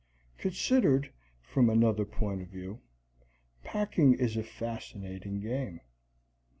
Considered from another point of view, packing is a fascinating game.